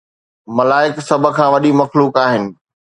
ملائڪ سڀ کان وڏي مخلوق آهن